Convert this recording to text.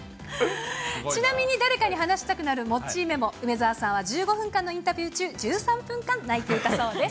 ちなみに誰かに話したくなるモッチーメモ、梅澤さんは１５分間のインタビュー中、１３分間泣いていたそうです。